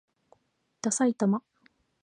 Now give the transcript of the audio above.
ださいたま